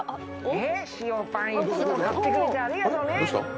塩パンいっつも買ってくれてありがとね。